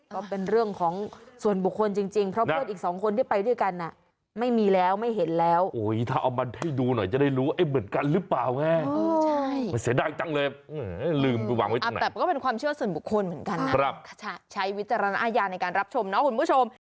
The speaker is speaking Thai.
ก็เป็นเรื่องของส่วนบุคคลจริงเพราะเพื่อนอีก๒คนที่ไปด้วยกัน